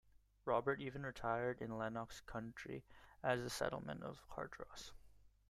Robert even retired in Lennox country, at the settlement of Cardross.